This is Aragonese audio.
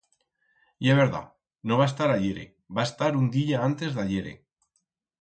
Ye verdat, no va estar ahiere, va estar un diya antes d'ahiere.